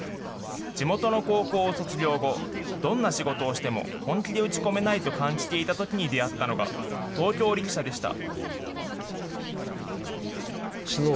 地元の高校を卒業後、どんな仕事をしても本気で打ち込めないと感じていたときに出会ったのが、東京力車でした。